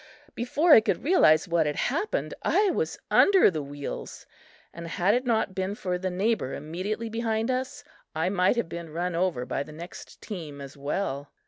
before I could realize what had happened, I was under the wheels, and had it not been for the neighbor immediately behind us, I might have been run over by the next team as well.